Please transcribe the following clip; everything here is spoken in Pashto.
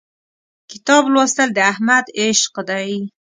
کتاب لوستل د احمد عشق دی.